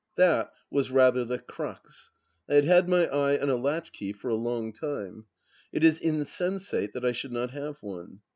That was rather the crux. I had had my eye on a latch key for a long time. It is insensate that I should not have one.